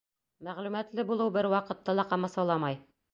Мәғлүмәтле булыу бер ваҡытта ла ҡамасауламай.